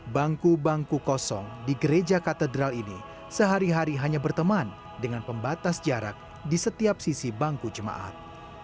bangku bangku kosong di gereja katedral ini sehari hari hanya berteman dengan pembatas jarak di setiap sisi bangku jemaat